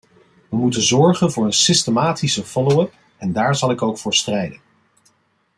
We moeten zorgen voor een systematische follow-up, en daar zal ik ook voor strijden.